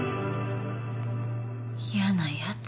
嫌なやつ。